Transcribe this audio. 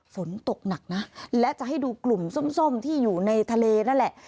ฝนตกหนักนะและจะให้ดูกลุ่มส้มที่อยู่ในทะเลนั่นแหละ